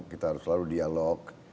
kita harus selalu dialog